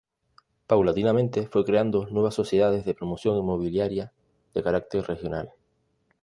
Paulatinamente fue creando nuevas sociedades de promoción inmobiliaria de carácter regional.